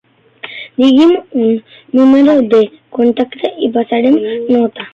Digui'm un número de contacte i passarem nota.